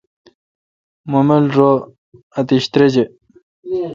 مہ مل رو اتیش تریجہ۔